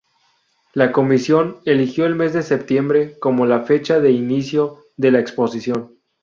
La Comisión eligió el mes de septiembre como fecha de inicio de la Exposición.